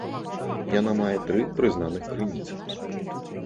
Яна мае тры прызнаных крыніцы.